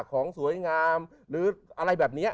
ของสวยงามหรืออะไรแบบนี้